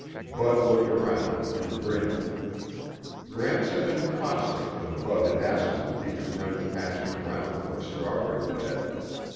Bud looked around and grinned. Gramps had been caustic when Bud had asked him if he could rent a patch of ground for a strawberry bed.